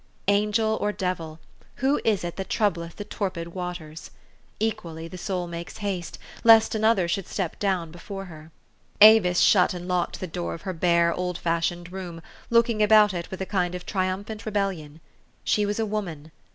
Angel or devil, who is it that troubleth the torpid waters ? Equally the soul makes haste, lest another should step down before her. Avis shut and locked the door of her bare, old fashioned room, looking about it with a kind of tri umphant rebellion. She was a woman.